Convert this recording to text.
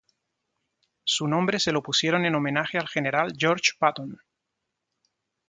Su nombre se lo pusieron en homenaje al general George Patton.